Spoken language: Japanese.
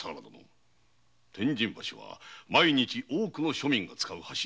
天神橋は毎日多くの庶民が使う橋！